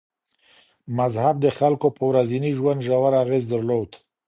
مذهب د خلګو په ورځني ژوند ژور اغېز درلود.